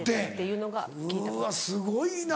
うわすごいな！